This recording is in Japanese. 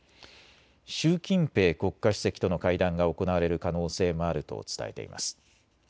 習近平国家主席との会談が行われる可能性もあると伝えています。